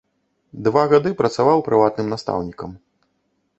Два гады працаваў прыватным настаўнікам.